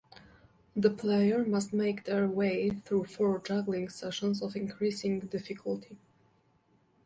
The player must make their way through four juggling sessions of increasing difficulty.